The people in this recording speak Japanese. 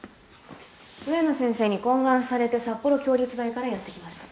植野先生に懇願されて札幌共立大からやって来ました。